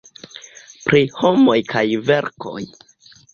Pri Homoj kaj Verkoj.